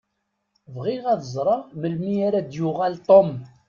Bɣiɣ ad ẓṛeɣ melmi ara d-yuɣal Tom.